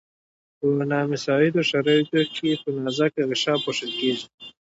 په نامساعدو شرایطو کې په نازکه غشا پوښل کیږي.